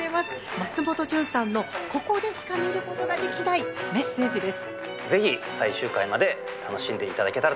松本潤さんのここでしか見ることができないメッセージです。